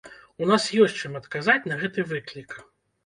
У нас ёсць чым адказаць на гэты выклік.